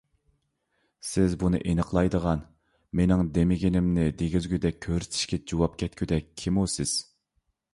سىز بۇنى ئېنىقلايدىغان، مېنىڭ دېمىگىنىمنى دېگۈزگەندەك كۆرسىتىشكە جۇۋاپ كەتكۈدەك كىمۇ سىز؟